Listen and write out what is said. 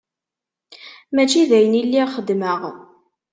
Mačči d ayen i lliɣ xeddmeɣ.